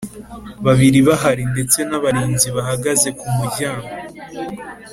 babiri bahari ndetse n’abarinzi bahagaze kumuryango